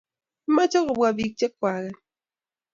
imiche kopwaq pick che chwaket